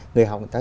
người học người ta